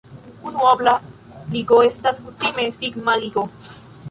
Unuobla ligo estas kutime sigma-ligo.